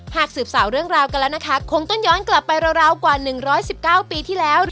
หากสืบสาวเรื่องราวกันแล้วนะคะคงต้องย้อนกลับไปราวกว่า๑๑๙ปีที่แล้ว